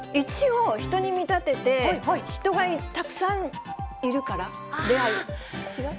１を人に見立てて、人がたくさんいるから、出会い、違う？